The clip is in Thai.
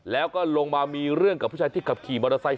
แล้วก็ลงมามีเรื่องกับผู้ชายที่ขับขี่มอเตอร์ไซค